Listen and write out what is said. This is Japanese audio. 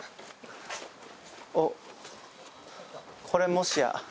おっこれもしや。